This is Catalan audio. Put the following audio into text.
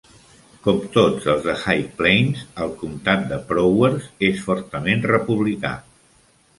Com tots els de High Plains, el comtat de Prowers és fortament republicà.